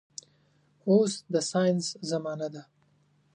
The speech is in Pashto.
اوس د ساينس زمانه ده